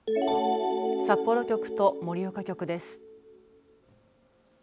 札幌局と盛岡局です。